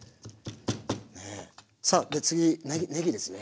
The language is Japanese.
さあ次ねぎですね。